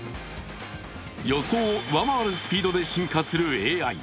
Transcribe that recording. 予想を上回るスピードで進化するＡＩ。